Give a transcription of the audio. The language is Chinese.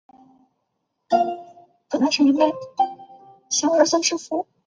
圣贝尔特万拉唐涅尔人口变化图示